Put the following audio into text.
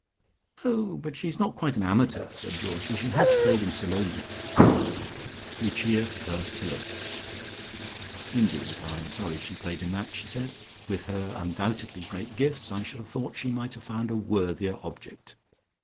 "Oh, but she is not quite an amateur," said Georgie. "She has played in Salome." Lucia pursed her lips. "Indeed, I am sorry she played in that," she said. "With her undoubtedly great gifts I should have thought she might have found a worthier object.